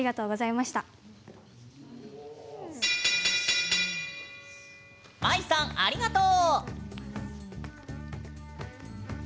まいさんありがとう。